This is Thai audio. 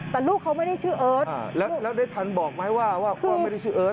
แต่ลูกเขาไม่ได้ชื่อเอิร์ทแล้วได้ทันบอกไหมว่าว่าไม่ได้ชื่อเอิร์ท